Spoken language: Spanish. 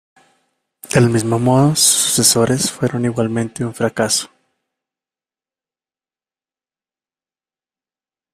Del mismo modo, sus sucesores fueron igualmente un fracaso.